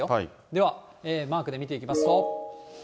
では、マークで見ていきますと。